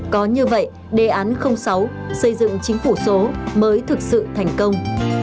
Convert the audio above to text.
có như vậy đề án sáu xây dựng chính phủ số mới thực sự thành công